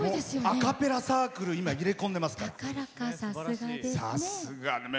アカペラサークルに入れ込んでますから。